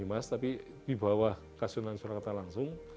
mas tapi di bawah kasunan surakarta langsung